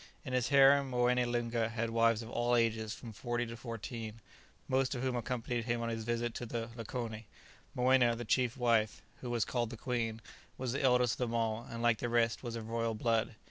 In his harem Moené Loonga had wives of all ages from forty to fourteen, most of whom accompanied him on his visit to the lakoni. Moena, the chief wife, who was called the queen, was the eldest of them all, and, like the rest, was of royal blood.